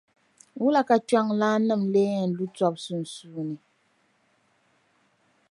Wula ka kpiɔŋlaannim’ lee yɛn lu tɔb’ sunsuuni?